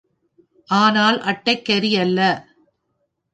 ஆனால் அட்டைக்கரி அல்ல.